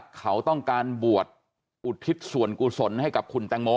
เขาต้องการบวชอุทิศส่วนกุศลให้กับคุณแตงโม